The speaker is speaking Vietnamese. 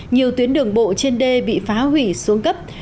nhiều tuyến đường bộ trên đê bị phá hủy xuống cấp